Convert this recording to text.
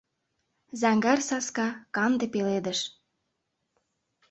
Зӓҥгар саска — канде пеледыш.